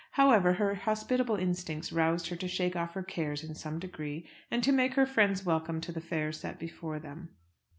However, her hospitable instincts roused her to shake off her cares in some degree, and to make her friends welcome to the fare set before them.